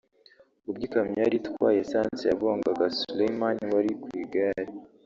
ubwo ikamyo yari itwaye essence yagongaga Suleyman wari ku igare